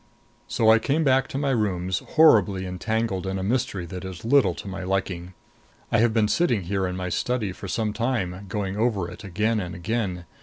So I came back to my rooms, horribly entangled in a mystery that is little to my liking. I have been sitting here in my study for some time, going over it again and again.